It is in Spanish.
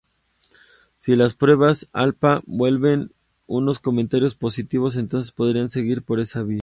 Si las pruebas alpha devuelven unos comentarios positivos entonces podríamos seguir por esa vía.